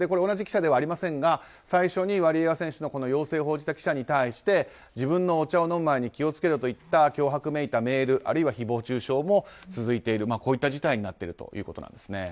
同じ記者ではありませんが最初にワリエワ選手の陽性を報じた記者に対して自分のお茶を飲む前に気を付けろといった脅迫めいたメールあるいは誹謗中傷も続いているこういった事態になっているということなんです。